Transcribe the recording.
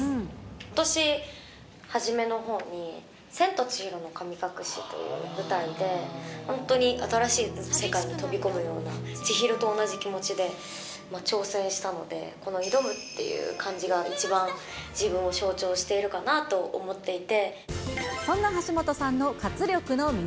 ことし初めのほうに、千と千尋の神隠しという舞台で、本当に新しい世界に飛び込むような、千尋と同じ気持ちで、挑戦したので、この挑むという漢字が一番自分を象徴しているかなと思っていて。